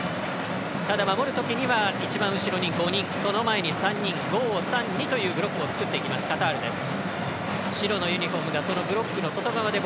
ただ、守るときには一番後ろに５人、その前に３人５‐３‐２というブロックを作るカタールです。